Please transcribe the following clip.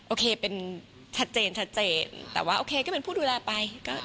โอเคเป็นชัดเจนชัดเจนแต่ว่าโอเคก็เป็นผู้ดูแลไป